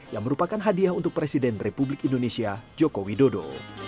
yang merupakan hadiah untuk presiden republik indonesia joko widodo